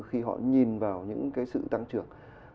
khi họ nhìn vào những sự tăng trưởng